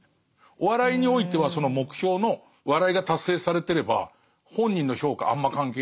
お笑いにおいてはその目標の笑いが達成されてれば本人の評価あんま関係ないと。